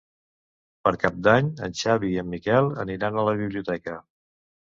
Per Cap d'Any en Xavi i en Miquel aniran a la biblioteca.